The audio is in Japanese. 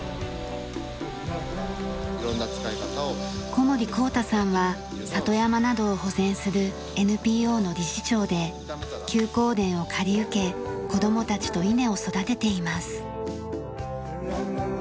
小森耕太さんは里山などを保全するＮＰＯの理事長で休耕田を借り受け子供たちと稲を育てています。